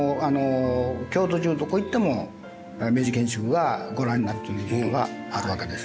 京都中どこ行っても明治建築がご覧になれるというのがあるわけです。